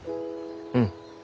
うん。